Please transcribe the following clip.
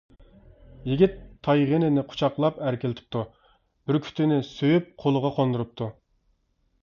يىگىت تايغىنىنى قۇچاقلاپ ئەركىلىتىپتۇ، بۈركۈتىنى سۆيۈپ، قولىغا قوندۇرۇپتۇ.